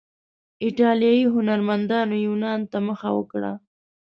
ایټالیایي هنرمندانو یونان ته مخه وکړه.